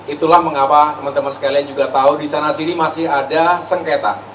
itulah mengapa teman teman sekalian juga tahu di sana sini masih ada sengketa